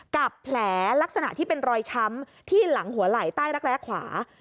กับแผลลักษณะที่เป็นรอยช้ำที่หลังหัวไหล่ใต้รักแร้ขวา